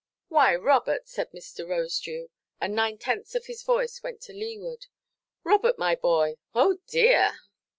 "Why, Robert!" said Mr. Rosedew, and nine–tenths of his voice went to leeward; "Robert, my boy;—oh dear!"